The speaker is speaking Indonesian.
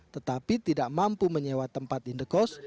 tetapi tidak mampu menyewa tempat indekos